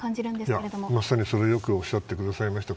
まさにそれ、よくおっしゃってくださいました。